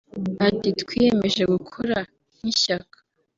Ati “Twiyemeje gukora nk’ishyaka